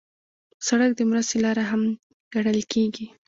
سړک د مرستې لاره هم ګڼل کېږي.